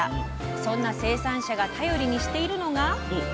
そんな生産者が頼りにしているのが。